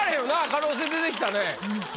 可能性出てきたね。